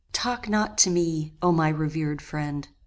Talk not to me, O my revered friend!